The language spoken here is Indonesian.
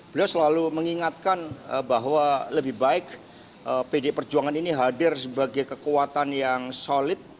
beliau selalu mengingatkan bahwa lebih baik pd perjuangan ini hadir sebagai kekuatan yang solid